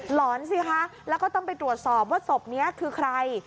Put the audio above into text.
หอนสิคะแล้วก็ต้องไปตรวจสอบว่าศพนี้คือใคร